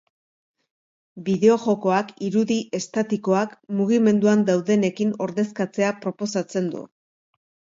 Bideojokoak irudi estatikoak mugimenduan daudenekin ordezkatzea proposatzen du.